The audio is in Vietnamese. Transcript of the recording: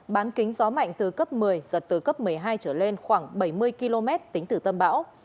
bán kính gió mạnh từ cấp một mươi giật từ cấp một mươi hai trở lên khoảng bảy mươi km tính từ tâm bão